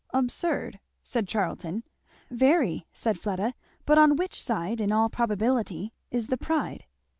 "Absurd!" said Charlton. "Very," said Fleda; "but on which side, in all probability, is the pride?"